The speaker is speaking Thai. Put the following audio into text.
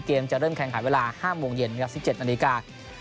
เกมจะเริ่มแข่งขันเวลา๕โมงเย็น๑๗นาที